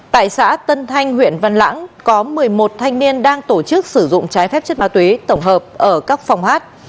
tại xã tân thanh huyện văn lãng có một mươi một thanh niên đang tổ chức sử dụng trái phép chất ma túy tổng hợp ở các phòng hát